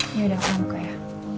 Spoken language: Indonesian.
yaudah aku buka ya